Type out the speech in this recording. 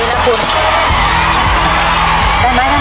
โลยน้ำโลยนม